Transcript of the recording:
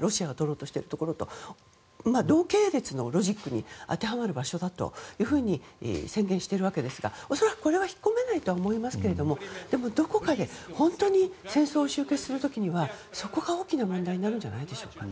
ロシアを取ろうとしているところと同系列のロジックに当てはまる場所だと宣言しているわけですが恐らくこれは引っ込めないと思いますがどこかで本当に戦争を終結する時にはそこが大きな問題になるんじゃないでしょうか。